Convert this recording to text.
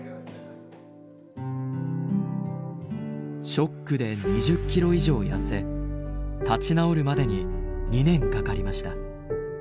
ショックで２０キロ以上痩せ立ち直るまでに２年かかりました。